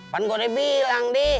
kan gue udah bilang deh